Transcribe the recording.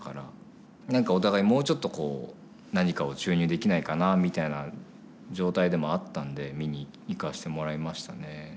何かお互いもうちょっとこう何かを注入できないかなみたいな状態でもあったんで見に行かせてもらいましたね。